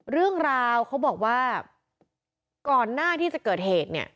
เรื่องราวเขาบอกว่าก่อนหน้าที่จะเกิดเหตุเนี่ย